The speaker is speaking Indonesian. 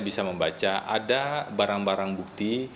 bisa membaca ada barang barang bukti